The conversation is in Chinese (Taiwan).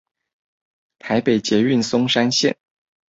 台北捷運松山線